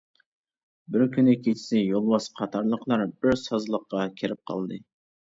بىركۈنى كېچىسى يولۋاس قاتارلىقلار بىر سازلىققا كىرىپ قالدى.